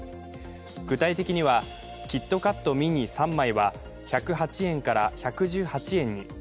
具体的にはキットカットミニ３枚は１０８円から１１８円に。